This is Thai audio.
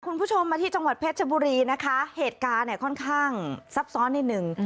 คุณผู้ชมมาที่จังหวัดเพชรบุรีนะคะเหตุการณ์เนี่ยค่อนข้างซับซ้อนนิดหนึ่ง